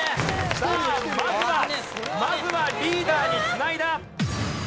さあまずはまずはリーダーに繋いだ。